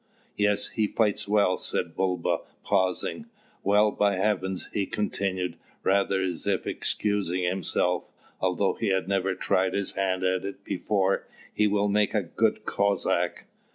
"Yes, he fights well," said Bulba, pausing; "well, by heavens!" he continued, rather as if excusing himself, "although he has never tried his hand at it before, he will make a good Cossack!